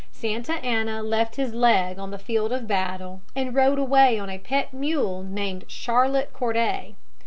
Santa Anna left his leg on the field of battle and rode away on a pet mule named Charlotte Corday.